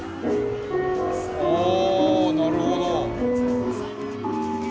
おなるほど。